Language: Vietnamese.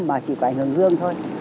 mà chỉ có ảnh hưởng dương thôi